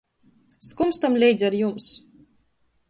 Skumstam leidz ar jums.